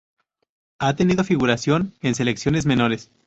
Ha tenido figuración en selecciones menores.